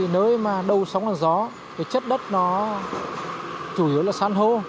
nơi đầu sóng là gió chất đất chủ yếu là san hô